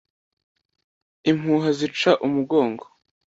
impuha zica umugongo